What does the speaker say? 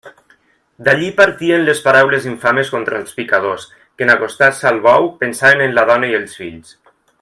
D'allí partien les paraules infames contra els picadors que en acostar-se al bou pensaven en la dona i els fills.